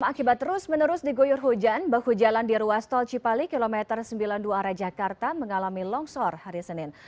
alam akibat terus menerus digoyur hujan bahu jalan di ruas tol cipali km sembilan puluh dua raja karta mengalami longsor hari senin